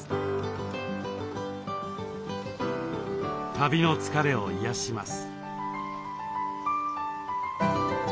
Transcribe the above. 旅の疲れを癒やします。